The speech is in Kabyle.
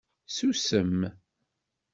Susem